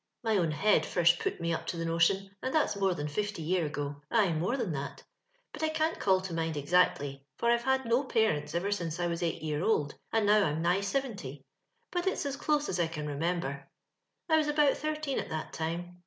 My own head first put me up to the notion^ and that's more than fifly year ago — ay, more than that ; but I cant call to mind exactly, for I've had no parents ev^r since I was eight year old, and now I'm nigh seventy ; but it's as close as I can remember. I was about thirteen at that time.